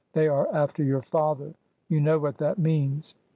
They are after your father. You know what that means!"